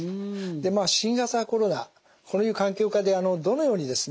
まあ新型コロナこういう環境下でどのようにですね